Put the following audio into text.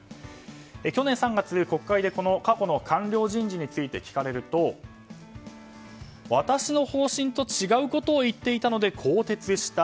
去年３月、国会で過去の官僚人事について聞かれると、私の方針と違うことを言っていたので更迭した。